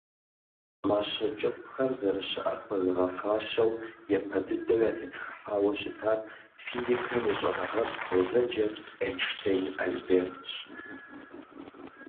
Мащэ кӀыфӀхэм, зэрыщыӀэр хуэзыгъэфащэу, япэ дыдэу ятетхыхьауэ щытар физикэм и щӀэныгъэлӀ гъуэзэджэ Эйнштейн Альбертщ.